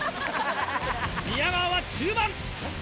宮川は中盤。